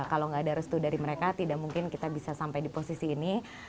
kalau nggak ada restu dari mereka tidak mungkin kita bisa sampai di posisi ini